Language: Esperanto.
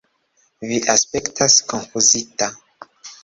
Vi aspektas konfuzita.